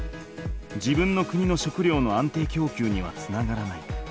自分の国の食料の安定きょうきゅうにはつながらない。